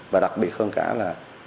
và đặc biệt hơn cả là